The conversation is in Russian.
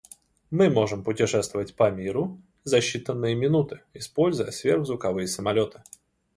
Мы можем путешествовать по миру за считанные минуты, используя сверхзвуковые самолеты.